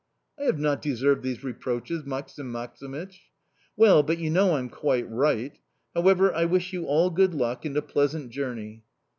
"I have not deserved these reproaches, Maksim Maksimych." "Well, but you know I'm quite right. However, I wish you all good luck and a pleasant journey."